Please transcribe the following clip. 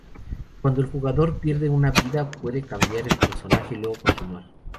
Cuando el jugador pierde una vida, puede cambiar el personaje y luego continuar.